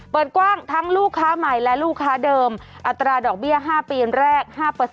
เปิดกว้างทั้งลูกค้าใหม่และลูกค้าเดิมอัตราดอกเบี้ย๕ปีแรก๕